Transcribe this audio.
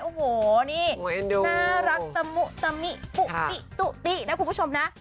โอ้โหนี่น่ารักตะมุตะมิปุ๊ปิตุตินะคุณผู้ชมนะ